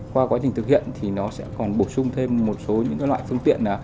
qua quá trình thực hiện thì nó sẽ còn bổ sung thêm một số những loại phương tiện